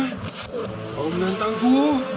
hah kau menantangku